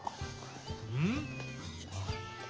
うん？